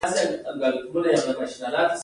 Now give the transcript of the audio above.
بې مسؤلیته انجینران ټولنې ته زیان رسوي.